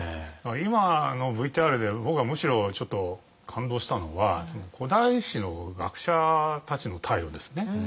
今のＶＴＲで僕がむしろちょっと感動したのは古代史の学者たちの態度ですね。